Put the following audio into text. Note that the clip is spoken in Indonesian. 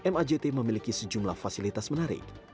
majt memiliki sejumlah fasilitas menarik